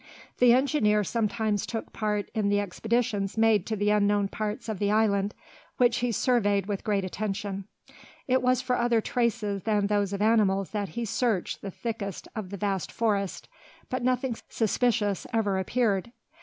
The engineer sometimes took part in the expeditions made to the unknown parts of the island, which he surveyed with great attention. It was for other traces than those of animals that he searched the thickest of the vast forest, but nothing suspicious ever appeared.